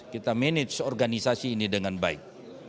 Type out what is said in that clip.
kita manage organisasi ini dengan baik